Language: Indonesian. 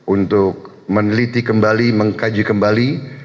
untuk meneliti kembali mengkaji kembali